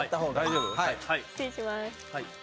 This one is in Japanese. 失礼します。